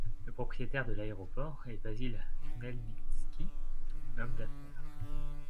Le propriétaire de l’aéroport est Vasyl Khmelnytsky, homme d’affaires.